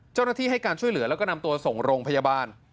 เจ้าหน้าที่ให้การช่วยเหลือแล้วก็นำตัวส่งลงพยาบาล